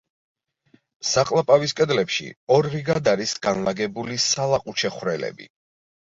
საყლაპავის კედლებში ორ რიგად არის განლაგებული სალაყუჩე ხვრელები.